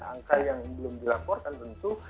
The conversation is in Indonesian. angka yang belum dilaporkan tentu